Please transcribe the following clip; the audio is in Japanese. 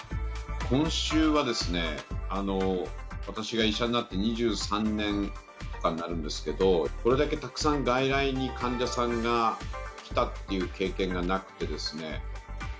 今週はですね、私が医者になって２３年とかになるんですけど、これだけたくさん外来に患者さんが来たっていう経験がなくてですね。